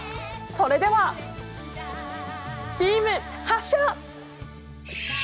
それではビーム発射。